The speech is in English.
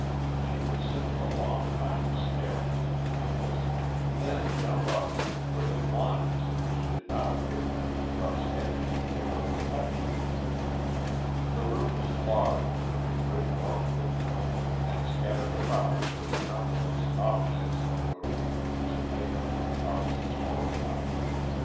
She would sit for a long time staring at the canvas, then jump up and put in lines which did not appear to bring the rough sketch any nearer perfection. The room was large, with a good north window, and scattered about were the numberless objects that go to the confusing make up of an artist's workshop.